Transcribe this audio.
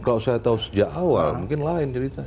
kalau saya tahu sejak awal mungkin lain ceritanya